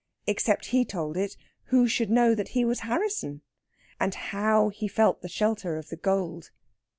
Except he told it, who should know that he was Harrisson? And how he felt the shelter of the gold!